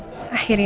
aku bisa mengerti